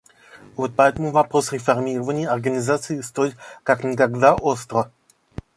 Вот поэтому вопрос реформирования Организации стоит как никогда остро.